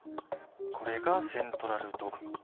これがセントラルドグマ！